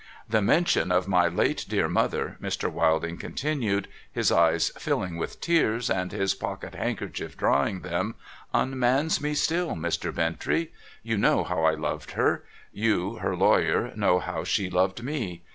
' The mention of my late dear mother,' Mr. Wilding continued. 478 NO THOROUGHFARE his eyes filling with tears and his pocket handkerchief drying them, ' unmans me slill, Mr. Bintrey. You know how I loved her ; you (her lawyer) know how she loved me.